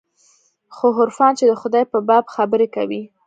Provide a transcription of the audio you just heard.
خو عرفان چې د خداى په باب خبرې کوي.